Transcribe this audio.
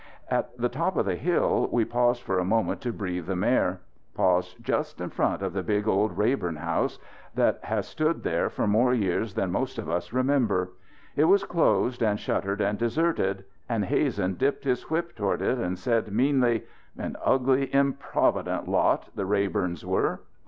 At the top of the hill we paused for a moment to breathe the mare; paused just in front of the big old Rayborn house, that has stood there for more years than most of us remember. It was closed and shuttered and deserted; and Hazen dipped his whip toward it and said meanly: "An ugly, improvident lot, the Rayborns were."